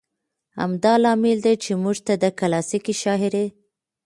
همدا لامل دى، چې موږ ته د کلاسيکې شاعرۍ